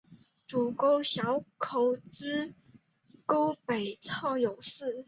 主沟小口子沟北侧有寺。